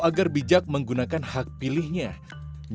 agar bijak menggunakan hak pilihnya